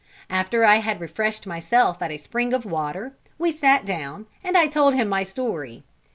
After I had refreshed myself at a spring of water, we sat down, and I told him my story.